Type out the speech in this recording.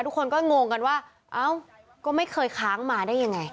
ทุกคนก็งงกันว่าเอ้าก็ไม่เคยค้างมาได้ยังไง